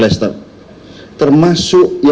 apa sakit empireetnya